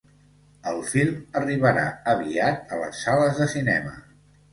El film arribarà aviat a les sales de cinema.